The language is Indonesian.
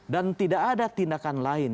dan tidak ada tindakan lain